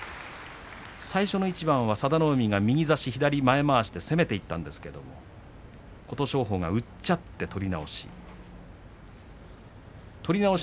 最初の一番は佐田の海が右差し左前まわしで攻めていったんですけれど琴勝峰がうっちゃって取り直し。